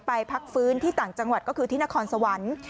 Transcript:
พักฟื้นที่ต่างจังหวัดก็คือที่นครสวรรค์